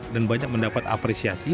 dan banyak mendapat apresiasi